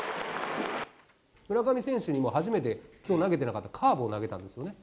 村上選手にも、初めて、きょう投げてなかったカーブを投げたんですよね。